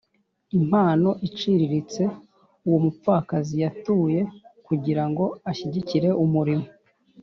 impano iciriritse uwo mupfakazi yatuye kugira ngo ashyigikire umurimo